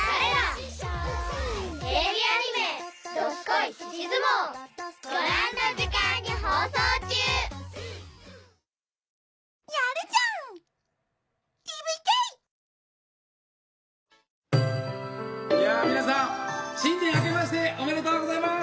いや皆さん新年あけましておめでとうございます。